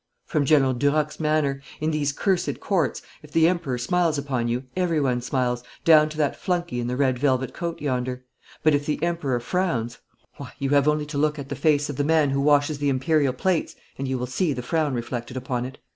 'From General Duroc's manner. In these cursed Courts, if the Emperor smiles upon you everyone smiles, down to that flunkey in the red velvet coat yonder. But if the Emperor frowns, why, you have only to look at the face of the man who washes the Imperial plates, and you will see the frown reflected upon it.